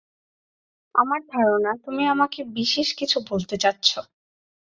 আমার ধারণা তুমি আমাকে বিশেষ কিছু বলতে চাচ্ছ।